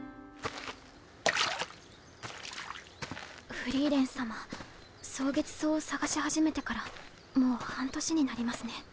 フリーレン様蒼月草を探し始めてからもう半年になりますね。